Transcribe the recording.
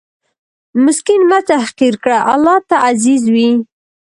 مسکین مه تحقیر کړه، الله ته عزیز وي.